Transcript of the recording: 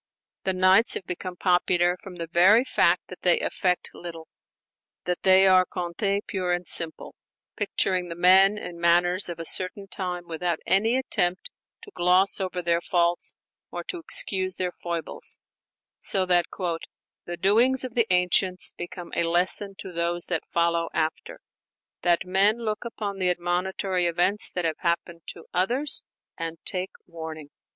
The 'Nights' have become popular from the very fact that they affect little; that they are contes pure and simple, picturing the men and the manners of a certain time without any attempt to gloss over their faults or to excuse their foibles: so that "the doings of the ancients become a lesson to those that follow after, that men look upon the admonitory events that have happened to others and take warning."